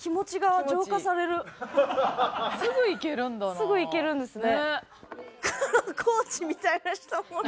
すぐいけるんですね。